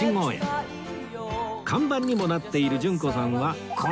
看板にもなっている順子さんはこの方！